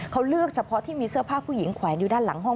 เขาเลือกเฉพาะที่มีเสื้อผ้าผู้หญิงแขวนอยู่ด้านหลังห้อง